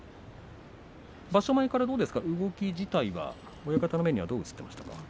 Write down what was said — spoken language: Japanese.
場所前から動き自体は親方の目にはどう映っていましたか？